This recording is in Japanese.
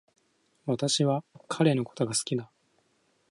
私は彼のことが好きだ